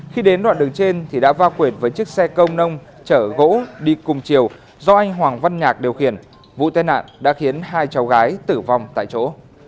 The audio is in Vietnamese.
vụ tai nạn trên thì đã va quệt với chiếc xe công nông chở gỗ đi cùng chiều do anh hoàng văn nhạc điều khiển vụ tai nạn đã khiến hai cháu gái tử vong tại chỗ